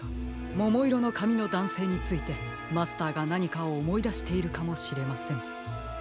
ももいろのかみのだんせいについてマスターがなにかおもいだしているかもしれません。